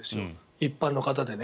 一般の方でね。